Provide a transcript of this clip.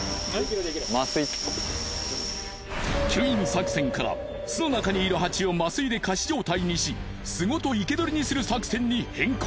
吸引作戦から巣の中にいるハチを麻酔で仮死状態にし巣ごと生け捕りにする作戦に変更。